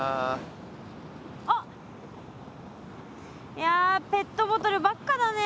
いやペットボトルばっかだね。